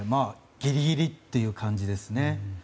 ギリギリという感じです。